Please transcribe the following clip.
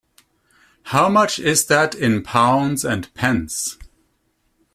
How much is that, in pounds and pence?